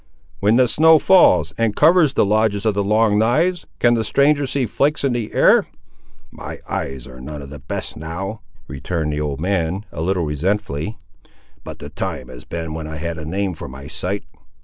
"When the snow falls, and covers the lodges of the Long knives, can the stranger see flakes in the air?" "My eyes are none of the best now," returned the old man a little resentfully, "but the time has been when I had a name for my sight!"